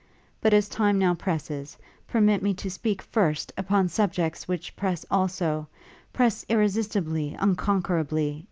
But as time now presses, permit me to speak, first, upon subjects which press also, press irresistibly, unconquerably!